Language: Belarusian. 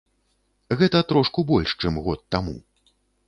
Гэта трошку больш, чым год таму.